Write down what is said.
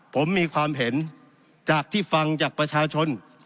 ผมมีความเห็นจากที่ฟังจากประชาชน